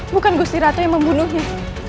bukan gusti ratu yang membunuhnya